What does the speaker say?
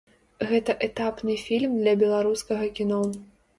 Гэта этапны фільм для беларускага кіно.